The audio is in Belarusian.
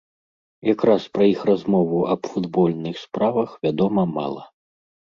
Якраз пра іх размову аб футбольных справах вядома мала.